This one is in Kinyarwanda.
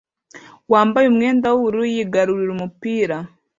wambaye umwenda wubururu yigarurira umupira